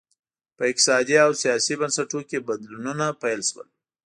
په اقتصادي او سیاسي بنسټونو کې بدلونونه پیل شول